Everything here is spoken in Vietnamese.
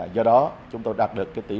do đó chúng tôi đạt được tỷ lệ giải ngân